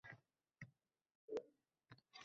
Men bunaqa farzand bo`ladi deb o`stirmagandim-ku